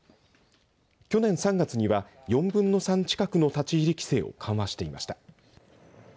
去年３月には、４分の３近くの立ち入り規制を緩和していました。